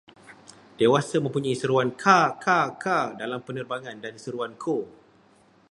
Dewasa mempunyai seruan ka-ka-ka dalam penerbangan dan seruan ko